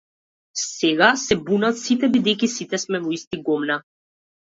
Сега се бунат сите бидејќи сите сме во исти гомна.